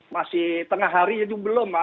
masih tengah hari itu belum